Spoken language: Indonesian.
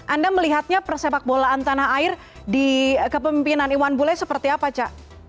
anda melihatnya persepak bolaan tanah air di kepemimpinan iwan bule seperti apa ca